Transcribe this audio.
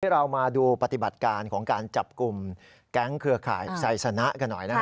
เรามาดูปฏิบัติการของการจับกลุ่มแก๊งเครือข่ายไซสนะกันหน่อยนะครับ